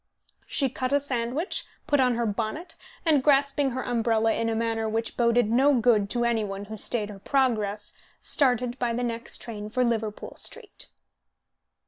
She cut a sandwich, put on her bonnet, and, grasping her umbrella in a manner which boded no good to any one who stayed her progress, started by the next train for Liverpool Street.